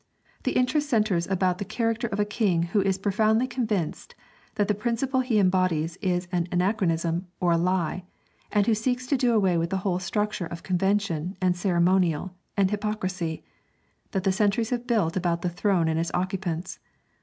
The interest centres about the character of a king who is profoundly convinced that the principle he embodies is an anachronism or a lie, and who seeks to do away with the whole structure of convention, and ceremonial, and hypocrisy, that the centuries have built about the throne and its occupants.